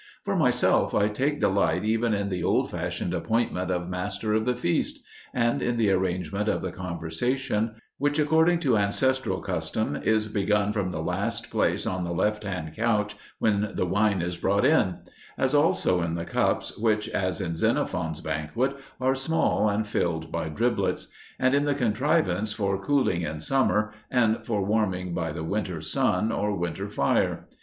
For myself, I take delight even in the old fashioned appointment of master of the feast; and in the arrangement of the conversation, which according to ancestral custom is begun from the last place on the left hand couch when the wine is brought in; as also in the cups which, as in Xenophon's banquet, are small and filled by driblets; and in the contrivance for cooling in summer, and for warming by the winter sun or winter fire.